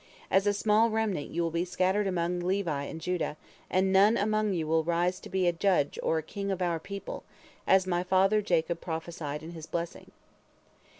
As a small remnant you will be scattered among Levi and Judah, and none among you will rise to be a judge or a king of our people, as, my father Jacob prophesied in his blessing."